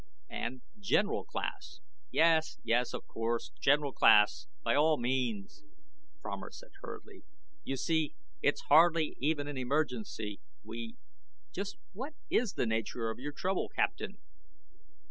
And General class " "Yes, yes, of course, General class by all means," Fromer said hurriedly. "You see, it's hardly even an emergency. We " "Just what is the nature of the trouble, Captain?"